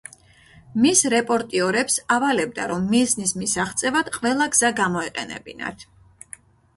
მის რეპორტიორებს ავალებდა რომ მიზნის მისაღწევად ყველა გზა გამოეყენებინათ.